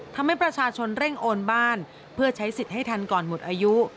ทำให้ประชาชนเร่งโอนบ้านเพื่อใช้สิทธิ์ให้ทันก่อนหมดอายุ